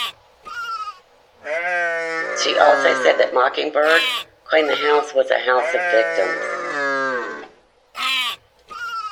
She also said that Mockingbird claimed the House was a house of victims.